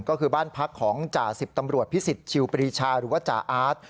ก็คือบ้านพักของจ่าสิบตำรวจพิสิทธิชิวปรีชาหรือว่าจ่าอาร์ต